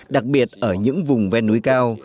đặc biệt ở những vùng ven núi cao